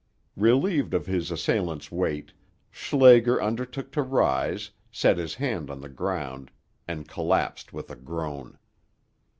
Relieved of his assailant's weight, Schlager undertook to rise, set his hand on the ground, and collapsed with a groan.